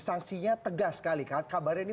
sanksinya tegas sekali kan kabarnya ini